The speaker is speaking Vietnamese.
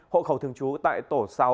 hộ khẩu thường trú tại tổ sáu